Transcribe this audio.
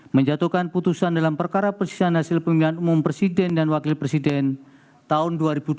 menjatuhkan putusan dalam perkara persisian hasil pemilihan umum presiden dan wakil presiden tahun dua ribu dua puluh